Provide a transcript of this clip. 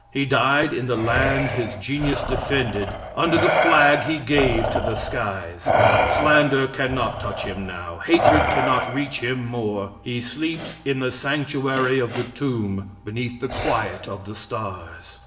He died in the land his genius defended, under the flag he gave to the skies. Slander can not touch him now; hatred can not reach him more. He sleeps in the sanctuary of the tomb, beneath the quiet of the stars.